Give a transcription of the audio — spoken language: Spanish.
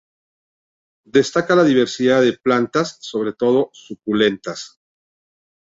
Destaca la diversidad de plantas, sobre todo suculentas.